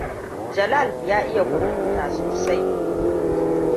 Jalal ya iya kwamfuta sosai.